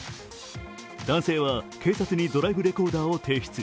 男性は警察にドライブレコーダーを提出。